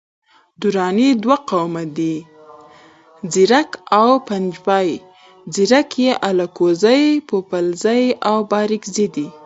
دراني دوه قومه دي، ځیرک او پنجپای. ځیرک یي الکوزي، پوپلزي او بارکزي دی